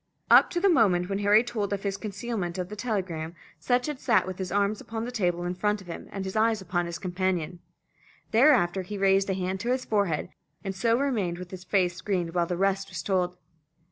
Up to the moment when Harry told of his concealment of the telegram, Sutch had sat with his arms upon the table in front of him, and his eyes upon his companion. Thereafter he raised a hand to his forehead, and so remained with his face screened while the rest was told.